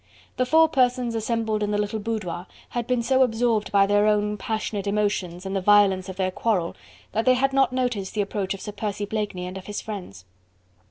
The four persons assembled in the little boudoir had been so absorbed by their own passionate emotions and the violence of their quarrel that they had not noticed the approach of Sir Percy Blakeney and of his friends.